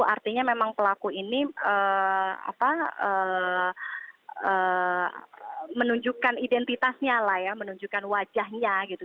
artinya memang pelaku ini menunjukkan identitasnya lah ya menunjukkan wajahnya gitu